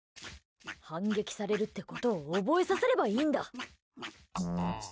反撃されるってことを覚えさせればいいんだ。